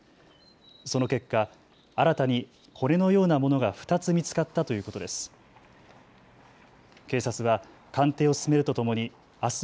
その結果、新たに骨のようなものが２つ見つかったということです。